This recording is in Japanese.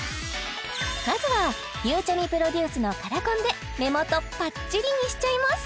まずはゆうちゃみプロデュースのカラコンで目元パッチリにしちゃいます